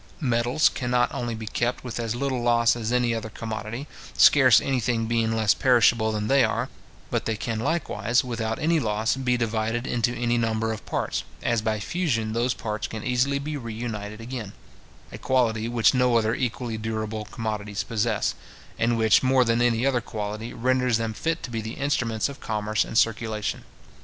Metals can not only be kept with as little loss as any other commodity, scarce any thing being less perishable than they are, but they can likewise, without any loss, be divided into any number of parts, as by fusion those parts can easily be re united again; a quality which no other equally durable commodities possess, and which, more than any other quality, renders them fit to be the instruments of commerce and circulation.